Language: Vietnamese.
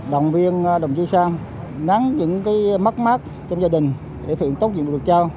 động viên đồng chí sang nắng những cái mắt mát trong gia đình để thực hiện tốt dịp được cho